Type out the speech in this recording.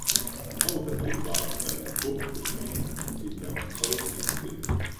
Außerdem war es bei den Burgfestspielen in Jagsthausen zu sehen.